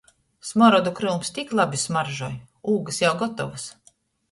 Smorodu kryums tik labi smaržoj, ūgys jau gotovys.